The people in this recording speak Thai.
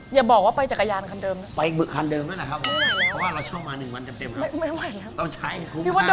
อย่าบอกว่าไปจักรยานคันเดิมนะ